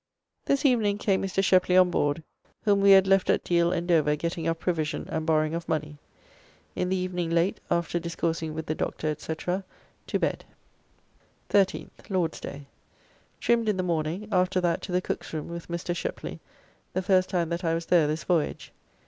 [??] This evening came Mr. Sheply on board, whom we had left at Deal and Dover getting of provision and borrowing of money. In the evening late, after discoursing with the Doctor, &c., to bed. 13th (Lord's day). Trimmed in the morning, after that to the cook's room with Mr. Sheply, the first time that I was there this voyage.